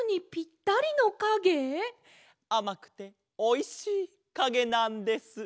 あまくておいしいかげなんです。